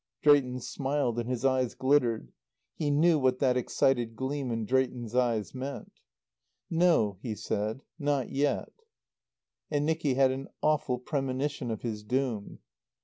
Drayton smiled and his eyes glittered. He knew what that excited gleam in Drayton's eyes meant. "No," he said. "Not yet." And Nicky had an awful premonition of his doom.